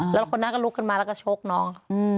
แล้วคนนั้นก็ลุกขึ้นมาแล้วก็ชกน้อง